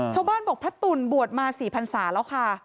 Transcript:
ชาวบ้านบอกพระตุ่นบวชมา๔พันศาแล้วค่ะ